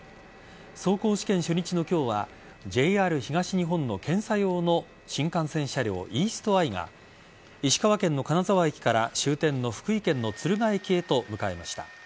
走行試験初日の今日はＪＲ東日本の検査用の新幹線車両イーストアイが石川県の金沢駅から終点の福井県の敦賀駅へと向かいました。